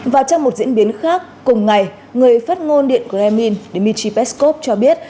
và trong một diễn biến khác cùng ngày người phát ngôn điện kremlin dmitry peskov cho biết